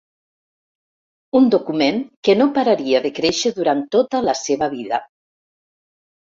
Un document que no pararia de créixer durant tota la seva vida.